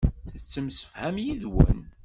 Tettemsefham yid-wen.